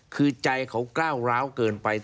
คือใจเขาก้าวร้าวเกินไป